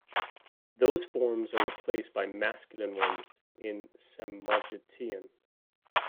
Those forms are replaced by masculine ones in Samogitian.